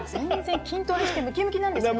筋トレしてムキムキなんですけどね。